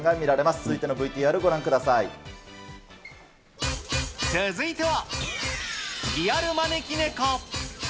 続いてのＶＴＲ、ご覧く続いては、リアル招きネコ。